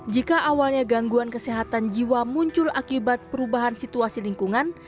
jika awalnya gangguan kesehatan jiwa muncul akibat perubahan situasi lingkungan